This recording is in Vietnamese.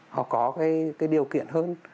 họ có cái điều kiện hơn